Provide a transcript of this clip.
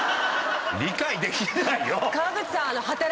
理解できないよ。